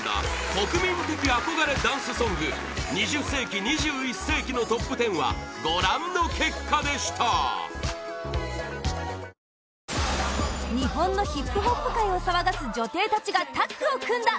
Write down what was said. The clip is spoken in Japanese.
国民的憧れダンスソング２０世紀・２１世紀のトップ１０はご覧の結果でした日本のＨＩＰＨＯＰ界を騒がす女帝たちがタッグを組んだ！